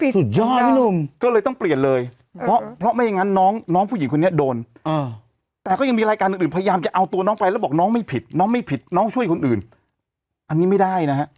สุดยอดพี่หนุ่มก็เลยต้องเปลี่ยนเลยเพราะไม่อย่างนั้นน้องผู้หญิงคนนี้โดนแต่ก็ยังมีรายการอื่นพยายามจะเอาตัวน้องไปแล้วบอกน้องไม่ผิดน้องไม่ผิดน้องช่วยคนอื่นอันนี้ไม่ได้นะฮะ